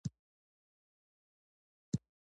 د حشراتو ناروغۍ ډینګي او ملیریا دي.